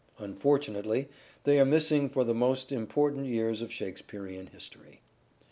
Unfortunately they are missing for the most important years of Shakespearean history."